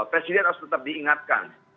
presiden harus tetap diingatkan